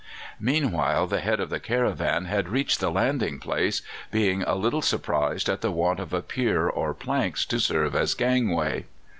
"Meanwhile the head of the caravan had reached the landing place, being a little surprised at the want of a pier or planks to serve as gangway.